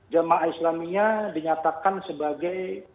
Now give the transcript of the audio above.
jemaah islamiyah dinyatakan sebagai